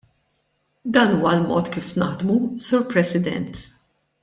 Dan huwa l-mod kif naħdmu, Sur President.